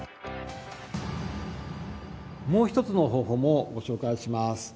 もう一つの方法もご紹介します。